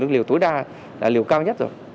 liều tối đa là liều cao nhất rồi